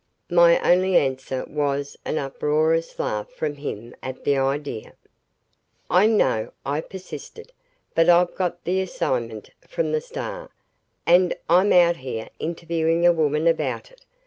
My only answer was an uproarious laugh from him at the idea. "I know," I persisted, "but I've got the assignment from the Star and I'm out here interviewing a woman about it.